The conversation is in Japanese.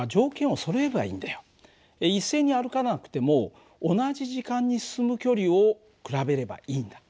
一斉に歩かなくても同じ時間に進む距離を比べればいいんだ。